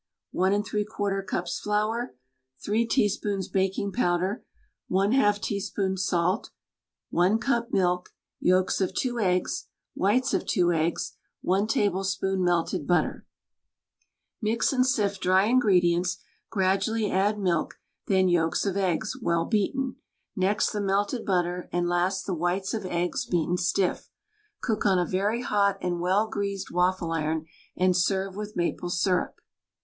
1% cups flour 3 teaspoons baking powder J^ teaspoon salt I cup milk Yolks of 2 eggs Whites of 2 " I tablespoon melted butter IVIix and sift dry ingredients; gradually add milk, then yolks of eggs, well beaten. Next the melted butter and last the whites of eggs, beaten stiff. Cook on a very hot and well greased waffle iron and serve with maple syrup.